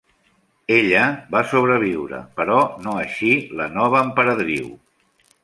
Ella va sobreviure, però no així la nova emperadriu.